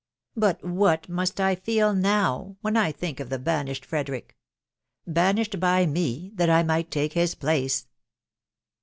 But what must I feel now when I mink of the banished Frederick ?.... Banished by me, that I might take his place."